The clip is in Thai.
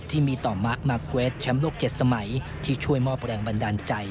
ที่มีต่อมาร์คมาร์เกวดแชมป์โลก๗สมัยที่ช่วยมอบแรงบันดาลใจ